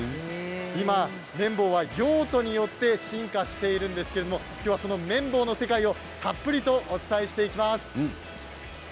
今、綿棒は用途によって進化しているんですけれどその綿棒の世界を、たっぷりとお伝えしていきます。